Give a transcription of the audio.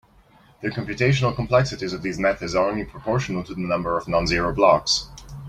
The computational complexities of these methods are only proportional to the number of non-zero blocks.